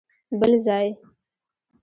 بل ځای؟!